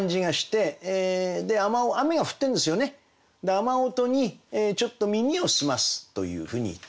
雨音にちょっと耳を澄ますというふうに言っていると。